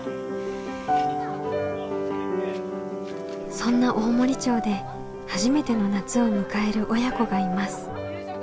そんな大森町で初めての夏を迎える親子がいます。